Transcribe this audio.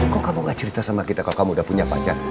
kok kamu gak cerita sama kita kalau kamu udah punya pacar